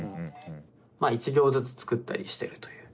まあ１行ずつ作ったりしてるという。